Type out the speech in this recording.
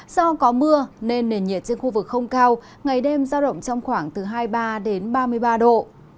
do có mưa nên nền nhiệt trên khu vực không cao ngày đêm giao động trong khoảng từ hai mươi ba đến ba mươi ba độ